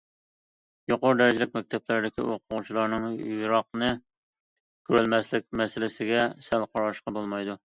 يۇقىرى دەرىجىلىك مەكتەپلەردىكى ئوقۇغۇچىلارنىڭ يىراقنى كۆرەلمەسلىك مەسىلىسىگە سەل قاراشقا بولمايدۇ.